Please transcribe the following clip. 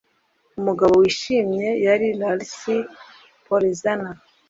Umugabo wishimye yari Lars Porsena